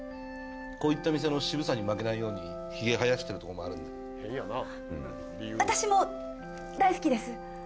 こういった店の渋さに負けないようにヒゲ生やしてるとこもあるんで私も大好きです！